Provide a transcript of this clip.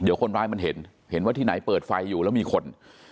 เดี๋ยวคนร้ายมันเห็นเห็นว่าที่ไหนเปิดไฟอยู่แล้วมีคน